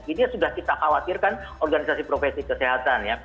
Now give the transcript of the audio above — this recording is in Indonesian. ini sudah kita khawatirkan organisasi profesi kesehatan ya